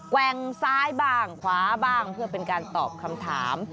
แว่งซ้ายบ้างขวาบ้างเพื่อเป็นการตอบคำถาม